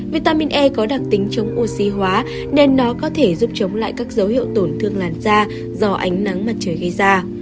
vitamin e có đặc tính chống oxy hóa nên nó có thể giúp chống lại các dấu hiệu tổn thương làn da do ánh nắng mặt trời gây ra